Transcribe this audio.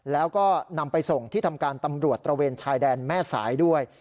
แล้วก็นำไปส่งที่ทำการตำรวจตระเวนชายแดนแม่สายด้วย